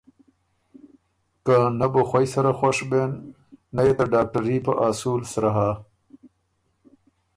که نۀ بو خوئ سره خوش بېن، نۀ يې ته ډاکټري په اصول سرۀ هۀ